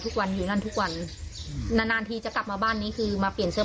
ทุกวันอยู่นั่นทุกวันนานนานทีจะกลับมาบ้านนี้คือมาเปลี่ยนเสื้อ